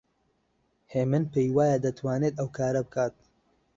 هێمن پێی وایە دەتوانێت ئەو کارە بکات.